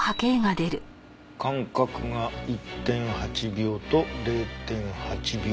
間隔が１．８秒と０．８秒。